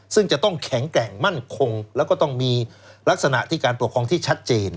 ซึ่งจะต้องแข็งแกร่งมั่นคงแล้วก็ต้องมีลักษณะที่การปกครองที่ชัดเจน